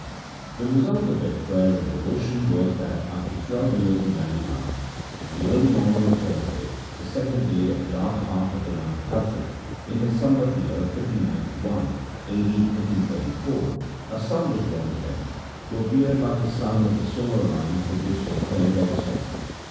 The result of their prayer and devotion was that after twelve years of married life, in the early morn ing of Thursday, the second day of the dark half of the month Kartik, in the Sambat year 1591 (a.d. 1534), a son was born to them, who appeared like a sun of the solar line from which they claimed their descent.